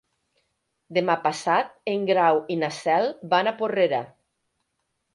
Demà passat en Grau i na Cel van a Porrera.